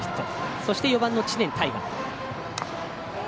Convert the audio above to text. そして、４番の知念大河。